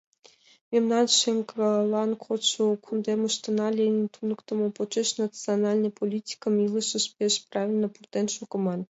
Мемнан шеҥгелан кодшо кундемыштына Ленин туныктымо почеш национальный политикым илышыш пеш правильно пуртен шогыман.